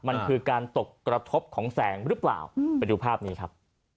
มันคือการตกกระทบของแสงหรือเปล่าไปดูภาพนี้ครับ